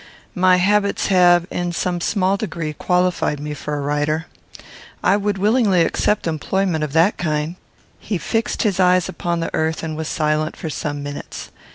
My habits have, in some small degree, qualified me for a writer. I would willingly accept employment of that kind." He fixed his eyes upon the earth, and was silent for some minutes.